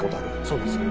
そうですよね。